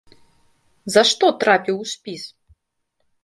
За што трапіў у спіс?